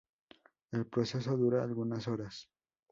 El proceso dura algunas horas.